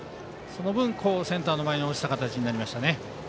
その分、センターの前に落ちた形になりましたね。